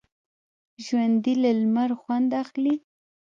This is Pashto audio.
ژوندي له لمر خوند اخلي